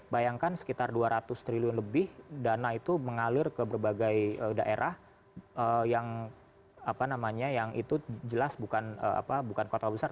bayangkan sekitar dua ratus triliun lebih dana itu mengalir ke berbagai daerah yang apa namanya yang itu jelas bukan apa bukan kota besar